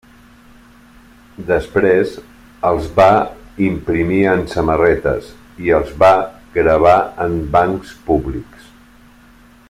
Després, els va imprimir en samarretes i els va gravar en bancs públics.